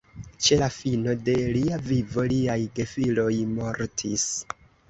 Ĉe la fino de lia vivo liaj gefiloj mortis.